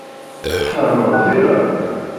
Tfehmeḍ tira?